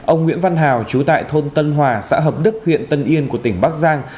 ông nguyễn văn hào chú tại thôn tân hòa xã hợp đức huyện tân yên của tỉnh bắc giang